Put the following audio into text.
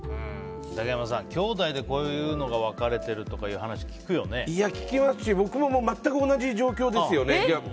竹山さん、きょうだいでこういうのが分かれているという聞きますし僕も全く同じ状況ですよね。